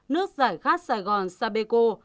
nước giải khát sài gòn sabeco